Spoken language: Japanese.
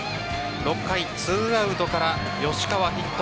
６回、２アウトから吉川ヒット。